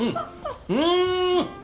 うん！